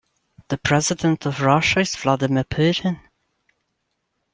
The president of Russia is Vladimir Putin.